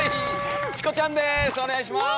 チコちゃんです！